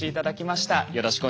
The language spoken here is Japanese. よろしくお願いします。